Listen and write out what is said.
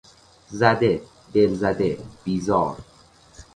زده، دلزده، بیزار